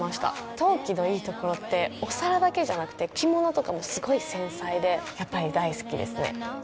陶器のいいところってお皿だけじゃなくて置物とかもすごい繊細でやっぱり大好きですね。